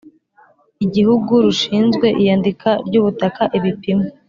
Igihugu rushinzwe iyandika ry ubutaka ibipimo